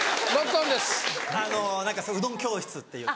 あの何かうどん教室っていう。